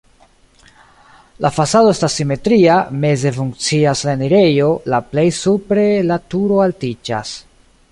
La fasado estas simetria, meze funkcias la enirejo, la plej supre la turo altiĝas.